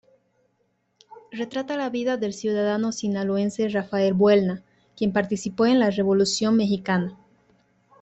Retrata la vida del ciudadano sinaloense Rafael Buelna, quien participó en la Revolución Mexicana.